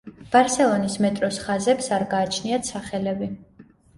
ბარსელონის მეტროს ხაზებს არ გააჩნიათ სახელები.